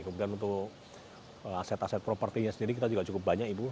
kemudian untuk aset aset propertinya sendiri kita juga cukup banyak ibu